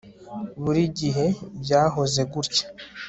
Buri gihe byahoze gutya